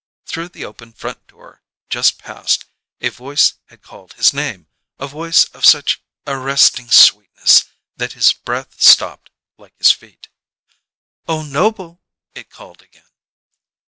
Through the open front door, just passed, a voice had called his name; a voice of such arresting sweetness that his breath stopped, like his feet. "Oh, Noble!" it called again.